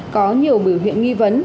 có nhiều biểu hiện nghi vấn